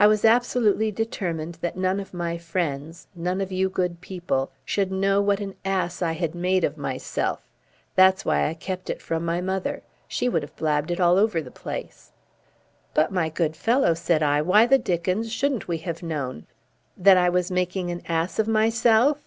I was absolutely determined that none of my friends, none of you good people, should know what an ass I had made of myself. That's why I kept it from my mother. She would have blabbed it all over the place." "But, my good fellow," said I, "why the dickens shouldn't we have known?" "That I was making an ass of myself?"